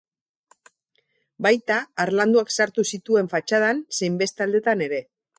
Baita harlanduak sartu zituen fatxadan zein beste aldetan ere.